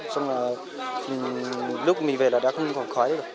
xong là lúc mình về là đã không còn khói rồi